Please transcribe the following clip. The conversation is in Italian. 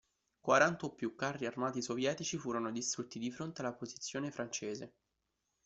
Quaranta o più carri armati sovietici furono distrutti di fronte alla posizione francese.